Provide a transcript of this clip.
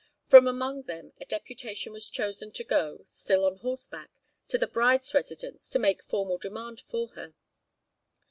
From among them a deputation was chosen to go (still on horseback) to the bride's residence to make formal demand for her.